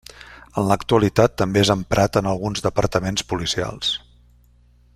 En l'actualitat també és emprat en alguns departaments policials.